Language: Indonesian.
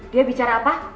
dia bicara apa